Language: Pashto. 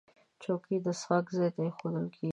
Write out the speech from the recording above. چوکۍ د څښاک ځای ته ایښودل کېږي.